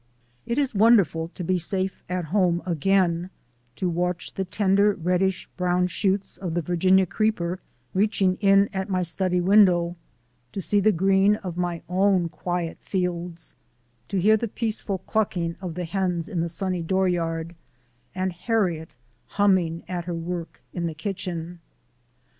It is wonderful to be safe at home again, to watch the tender, reddish brown shoots of the Virginia creeper reaching in at my study window, to see the green of my own quiet fields, to hear the peaceful clucking of the hens in the sunny dooryard and Harriet humming at her work in the kitchen.